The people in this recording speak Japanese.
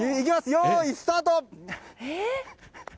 よーい、スタート！